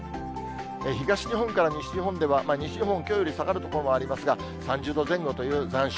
東日本から西日本では、西日本、きょうより下がる所もありますが、３０度前後という残暑。